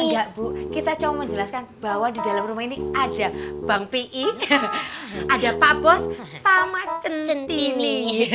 iya bu kita coba menjelaskan bahwa di dalam rumah ini ada bang pi ada pak bos sama cencetini